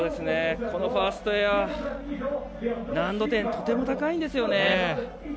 このファーストエア難度点、とても高いんですよね。